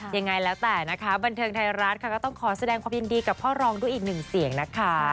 ยังไงแล้วแต่นะคะบันเทิงไทยรัฐค่ะก็ต้องขอแสดงความยินดีกับพ่อรองด้วยอีกหนึ่งเสียงนะคะ